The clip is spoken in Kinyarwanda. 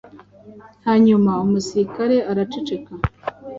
Hanyuma umusirikare araceceka